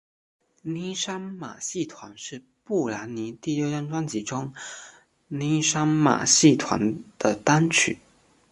妮裳马戏团是布兰妮第六张专辑中妮裳马戏团的单曲。